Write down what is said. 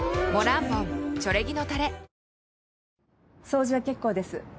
掃除は結構です。